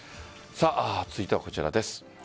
続いてはこちらです。